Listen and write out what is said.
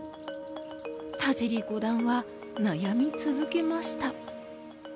田尻五段は悩み続けました。